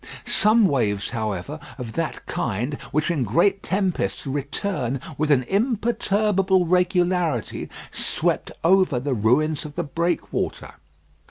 Some waves, however, of that kind which in great tempests return with an imperturbable regularity, swept over the ruins of the breakwater.